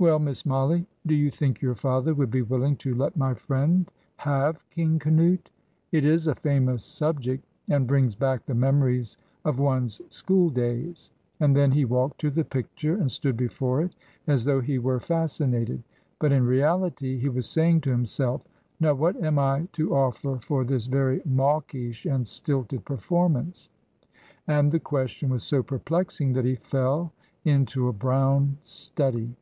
Well, Miss Mollie, do you think your father would be willing to let my friend have 'King Canute'? It is a famous subject, and brings back the memories of one's school days;" and then he walked to the picture and stood before it, as though he were fascinated; but in reality he was saying to himself, "Now, what am I to offer for this very mawkish and stilted performance?" And the question was so perplexing that he fell into a brown study.